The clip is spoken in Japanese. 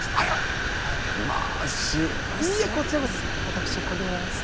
私はこれでございます。